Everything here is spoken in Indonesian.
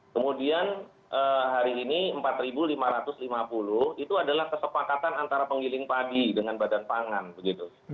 kemudian hari ini rp empat lima ratus lima puluh itu adalah kesepakatan antara penggiling padi dengan badan pangan begitu